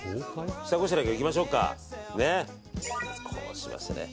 下ごしらえからいきましょうか。